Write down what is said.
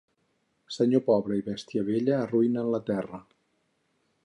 Senyor pobre i bèstia vella arruïnen la terra.